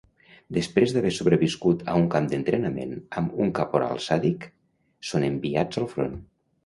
Després d'haver sobreviscut a un camp d'entrenament amb un caporal sàdic, són enviats al front.